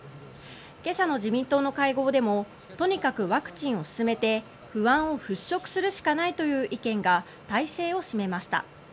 今朝の自民党の会合でもとにかくワクチンを進めて不安を払しょくするしかないという意見が大勢を占めました。